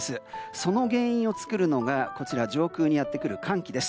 その原因を作るのが上空にやってくる寒気です。